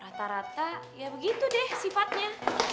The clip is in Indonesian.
rata rata ya begitu deh sifatnya